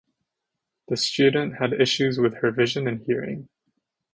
The student had issues with her vision and hearing.